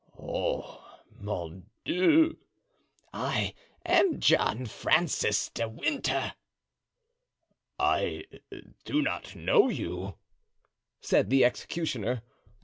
"Oh, mon Dieu!" "I am John Francis de Winter." "I do not know you," said the executioner.